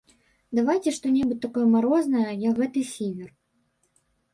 Давайце што-небудзь такое марознае, як гэты сівер.